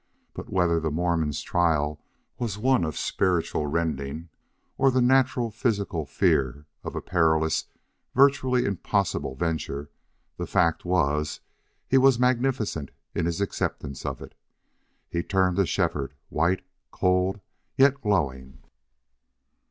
But whether the Mormon's trial was one of spiritual rending or the natural physical fear of a perilous, virtually impossible venture, the fact was he was magnificent in his acceptance of it. He turned to Shefford, white, cold, yet glowing.